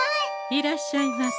いらっしゃいませ。